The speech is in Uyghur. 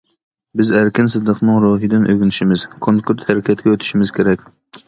بىز ئەركىن سىدىقنىڭ روھىدىن ئۆگىنىشىمىز، كونكرېت ھەرىكەتكە ئۆتۈشىمىز كېرەك.